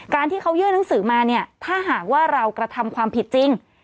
ที่เขายื่นหนังสือมาเนี่ยถ้าหากว่าเรากระทำความผิดจริง